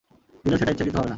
দিলেও সেটা ইচ্ছাকৃতভাবে না।